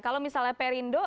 kalau misalnya perindo